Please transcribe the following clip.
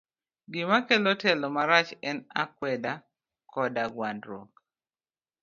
Gima kelo telo marach en akwede koda gwandruok.